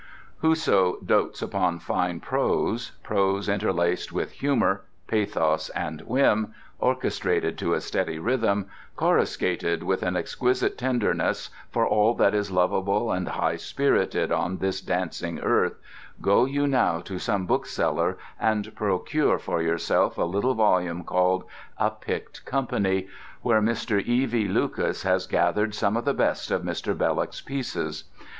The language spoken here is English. Whoso dotes upon fine prose, prose interlaced with humour, pathos, and whim, orchestrated to a steady rhythm, coruscated with an exquisite tenderness for all that is lovable and high spirited on this dancing earth, go you now to some bookseller and procure for yourself a little volume called "A Picked Company" where Mr. E.V. Lucas has gathered some of the best of Mr. Belloc's pieces.